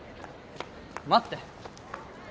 待って！